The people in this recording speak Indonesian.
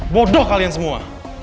bodoh kalian semua